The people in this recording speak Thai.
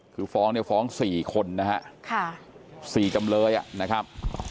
คือฟ้องเนี่ยฟ้องสี่คนนะฮะค่ะสี่กำเลยอ่ะนะครับ